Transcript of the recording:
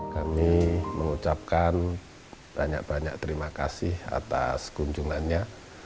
kami mengucapkan banyak banyak terima kasih atas kunjungannya